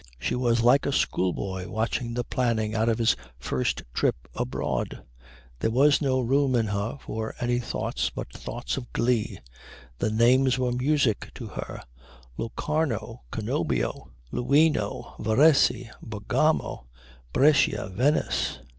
She was like a schoolboy watching the planning out of his first trip abroad. There was no room in her for any thoughts but thoughts of glee. The names were music to her Locarno, Cannobio, Luino, Varese, Bergamo, Brescia, Venice.